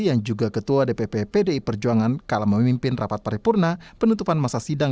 yang juga ketua dpp pdi perjuangan kala memimpin rapat paripurna penutupan masa sidang